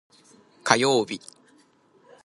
火曜日